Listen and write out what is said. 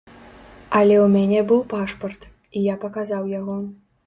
Але ў мяне быў пашпарт, і я паказаў яго.